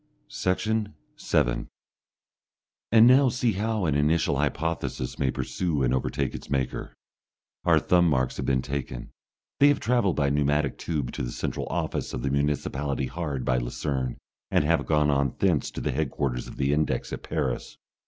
Section 7 And now see how an initial hypothesis may pursue and overtake its maker. Our thumb marks have been taken, they have travelled by pneumatic tube to the central office of the municipality hard by Lucerne, and have gone on thence to the headquarters of the index at Paris.